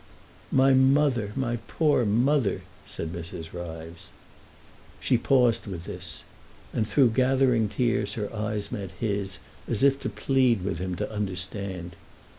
"My mother—my poor mother," said Mrs. Ryves. She paused with this, and through gathering tears her eyes met his as if to plead with him to understand.